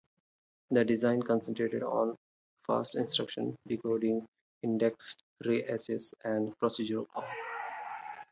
The design concentrated on fast instruction decoding, indexed array access and procedure calls.